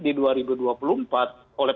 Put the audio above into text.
di dua ribu dua puluh empat oleh